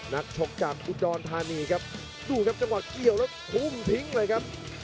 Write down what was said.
นักชกจากอุดรธานีครับดูครับจังหวะเกี่ยวแล้วทุ่มทิ้งเลยครับ